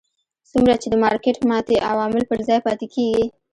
څومره چې د مارکېټ ماتې عوامل پر ځای پاتې کېږي.